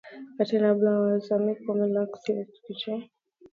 Katrina Blowers, Sami Lukis and Kate Ritchie.